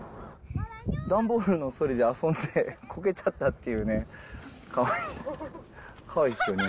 段ボールのそりで遊んで、こけちゃったっていうね、かわいいっすよね。